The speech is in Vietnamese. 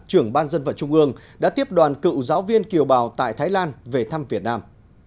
trưởng ban dân vận trung ương đã tiếp đoàn cựu giáo viên kiều bào tại thái lan về thăm việt nam